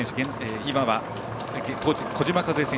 今は小島一恵選手